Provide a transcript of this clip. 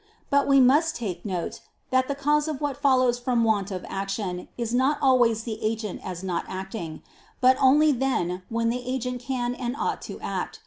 But we must take note that the cause of what follows from want of action is not always the agent as not acting; but only then when the agent can and ought to act.